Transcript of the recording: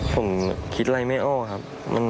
ผมคิดอะไรไม่ออกครับ